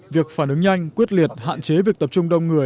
việc phản ứng nhanh quyết liệt hạn chế việc tập trung đông người